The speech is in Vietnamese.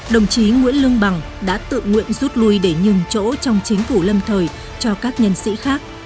đồng chí nguyễn lương bằng đã tự nguyện rút lui để nhường chỗ trong chính phủ lâm thời cho các nhân sĩ khác